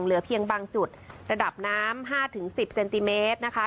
เหลือเพียงบางจุดระดับน้ำห้าถึงสิบเซนติเมตรนะคะ